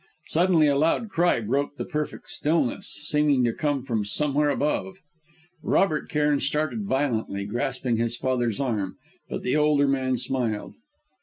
Suddenly a loud cry broke the perfect stillness, seeming to come from somewhere above. Robert Cairn started violently, grasping his father's arm, but the older man smiled.